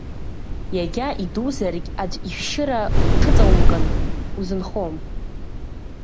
Иагьа идузаргь аӡә ишәшьыра уҽыҵаумкын, узынхом.